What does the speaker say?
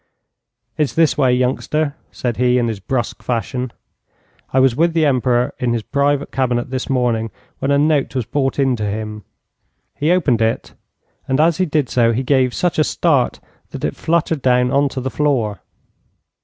'It's this way, youngster,' said he, in his brusque fashion; 'I was with the Emperor in his private cabinet this morning when a note was brought in to him. He opened it, and as he did so he gave such a start that it fluttered down on to the floor.